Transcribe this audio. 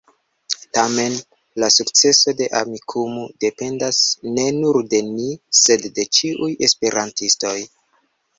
Tamen, la sukceso de Amikumu dependas ne nur de ni, sed de ĉiuj esperantistoj.